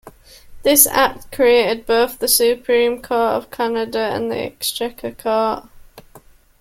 This act created both the Supreme Court of Canada and the Exchequer Court.